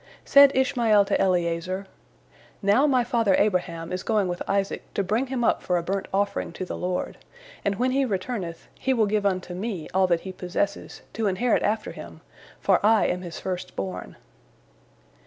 Said Ishmael to Eliezer: "Now my father Abraham is going with Isaac to bring him up for a burnt offering to the Lord, and when he returneth, he will give unto me all that he possesses, to inherit after him, for I am his first born."